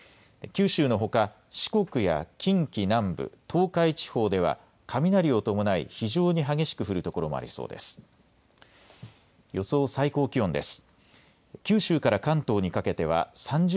九州のほか四国や近畿南部、東海地方では雷を伴い非常に激しく降る所もありそうです。